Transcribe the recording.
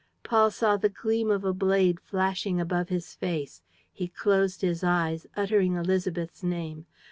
..." Paul saw the gleam of a blade flashing above his face. He closed his eyes, uttering Élisabeth's name.